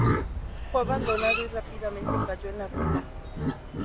Fue abandonado y rápidamente cayó en la ruina.